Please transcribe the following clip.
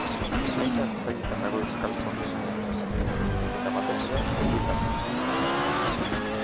Hainbat sailetan dago euskal profesionalen presentzia, eta batez ere horietaz arituko dira.